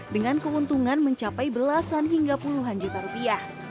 dengan keuntungan mencapai belasan hingga puluhan juta rupiah